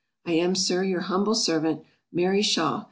I am, Sir, your humble servant, MARY SHAW.